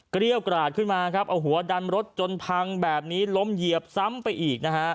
เกรี้ยวกราดขึ้นมาครับเอาหัวดันรถจนพังแบบนี้ล้มเหยียบซ้ำไปอีกนะฮะ